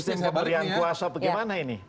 sistem pemberian kuasa bagaimana ini